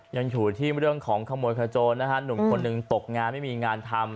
ยังอยู่ที่เรื่องของขโมยขโจรนะฮะหนุ่มคนหนึ่งตกงานไม่มีงานทำ